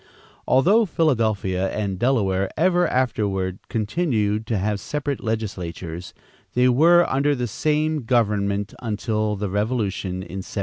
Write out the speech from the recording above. Although Philadelphia and Delaware ever afterward continued to have separate legislatures, they were under the same government until the Revolution in 1776.